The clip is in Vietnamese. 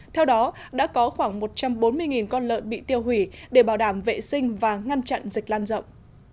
theo đó đã có khoảng một trăm bốn mươi con lợn bị tiêu hủy để bảo đảm vệ sinh và ngăn chặn dịch lan rộng